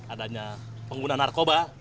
adanya pengguna narkoba